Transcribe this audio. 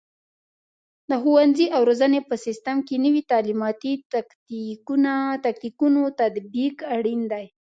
د ښوونې او روزنې په سیستم کې د نوي تعلیماتي تکتیکونو تطبیق اړین دی.